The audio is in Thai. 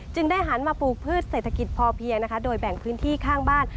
ได้หันมาปลูกพืชเศรษฐกิจพอเพียงนะคะโดยแบ่งพื้นที่ข้างบ้าน